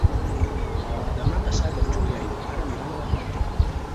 Demà passat en Julià i na Lara aniran a la platja.